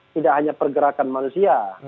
tidak hanya pergerakan manusia